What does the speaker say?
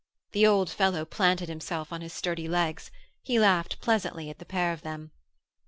The old fellow planted himself on his sturdy legs. He laughed pleasantly at the pair of them.